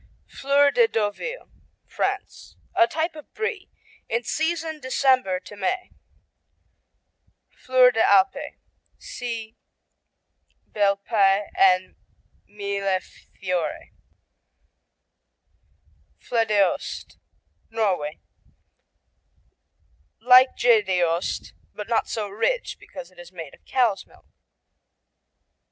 Fleur de Deauville France A type of Brie, in season December to May. Fleur des Alpes see Bel Paese and Millefiori. Floedeost Norway Like Gjedeost, but not so rich because it's made of cow's milk.